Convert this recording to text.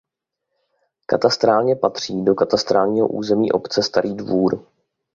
Katastrálně patří do katastrálního území obce Starý Dvůr.